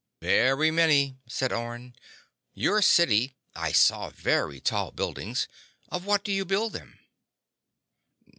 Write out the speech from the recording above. "Very many," said Orne. "Your city—I saw very tall buildings. Of what do you build them?"